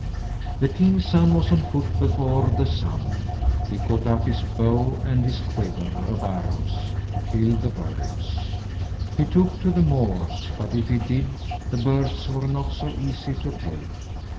The king's son was on foot before the sun; he caught up his bow and his quiver of arrows to kill the birds. He took to the moors, but if he did, the birds were not so easy to take.